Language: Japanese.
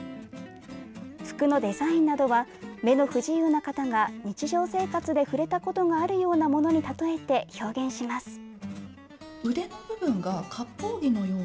服のデザインなどは目の不自由な方が日常生活で触れたことがあるようなものに例えて表現します。